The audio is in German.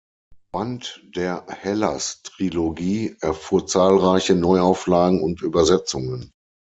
Band der Hellas-Trilogie, erfuhr zahlreiche Neuauflagen und Übersetzungen.